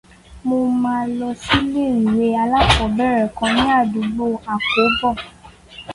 Mo máa lọ sílé ìwé alákọ̀ọ́bẹ̀rẹ̀ kan ní àdúgbò Àkóbọ̀.